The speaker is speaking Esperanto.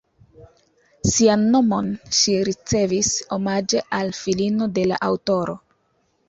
Sian nomon ŝi ricevis omaĝe al filino de la aŭtoro.